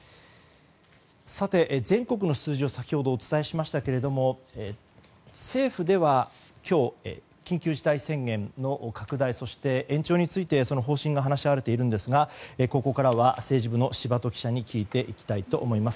全国の数字を先ほどお伝えしましたが政府では今日緊急事態宣言の拡大、そして延長について方針が話し合われているんですがここからは政治部の柴戸記者に聞いていきたいと思います。